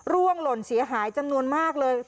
หล่นเสียหายจำนวนมากเลย